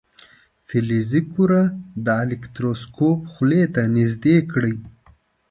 فلزي کره د الکتروسکوپ خولې ته نژدې کړئ.